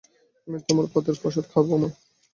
আমি তোমার পাতের প্রসাদ খাব মা।